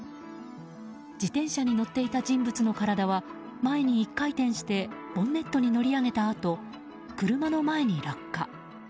自転車に乗っていた人物の体は前に１回転してボンネットに乗り上げたあと車の前に落下。